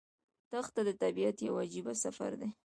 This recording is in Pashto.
دښته د طبیعت یو عجیب سفر دی.